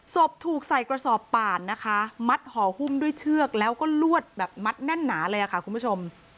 ถูกใส่กระสอบป่านนะคะมัดห่อหุ้มด้วยเชือกแล้วก็ลวดแบบมัดแน่นหนาเลยค่ะคุณผู้ชม